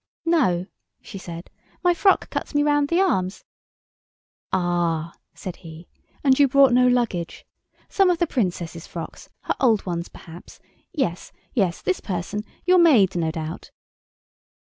"No," she said, "my frock cuts me round the arms——" "Ah," said he, "and you brought no luggage—some of the Princess's frocks—her old ones perhaps—yes—yes—this person—your maid, no doubt?"